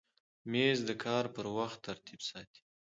مېز د کار پر وخت ترتیب ساتي.